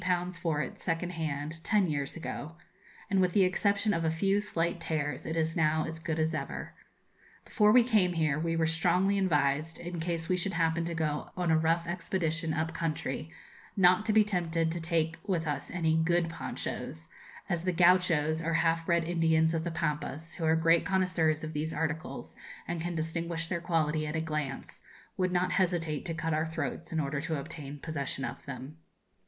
for it, second hand, ten years ago; and, with the exception of a few slight tears, it is now as good as ever. Before we came here, we were strongly advised, in case we should happen to go on a rough expedition up country, not to be tempted to take with us any good ponchos, as the Gauchos, or half bred Indians of the Pampas, who are great connoisseurs of these articles, and can distinguish their quality at a glance, would not hesitate to cut our throats in order to obtain possession of them.